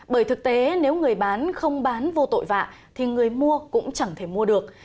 bởi thực tế nếu người bán không bán vô tội vạ thì người mua cũng chẳng thể mua được